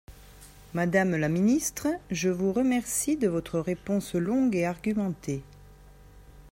Madame la ministre, je vous remercie de votre réponse longue et argumentée.